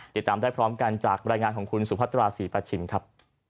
ติดตามได้พร้อมกันจากรายงานของคุณสุพัตราศรีประชิมครับ